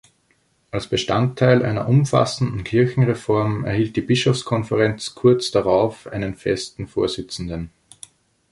Als Bestandteil einer umfassenden Kirchenreform erhielt die Bischofskonferenz kurz darauf einen festen Vorsitzenden.